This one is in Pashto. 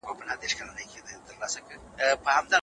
د علم په برخه کې د کلتوري بدلون پیژندل مهم دي.